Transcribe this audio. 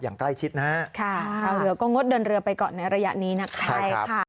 อย่างใกล้ชิดนะฮะชาวเหลือก็งดเดินเรือไปก่อนในระยะนี้นะครับ